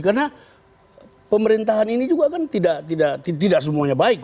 karena pemerintahan ini juga kan tidak semuanya baik